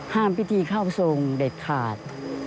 พิธีเข้าทรงเด็ดขาด